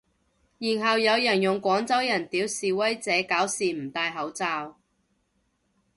然後有人用廣州人屌示威者搞事唔戴口罩